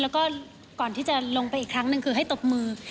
แล้วก็ก่อนที่จะลงไปอีกครั้งหนึ่งคือให้ตบมือ